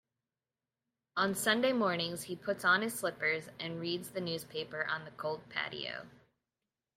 On Sunday mornings, he puts on his slippers and reads the newspaper on the cold patio.